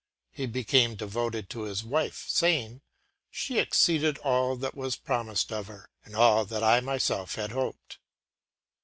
He became devoted to his wife, saying: “she exceeded all that was promised of her, and all that I myself had hoped.